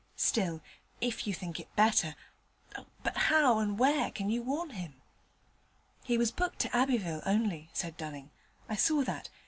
Still, if you think it better but how and where can you warn him?' 'He was booked to Abbeville only,' said Dunning. 'I saw that.